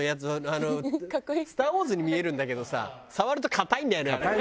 あの『スター・ウォーズ』に見えるんだけどさ触ると硬いんだよねあれ。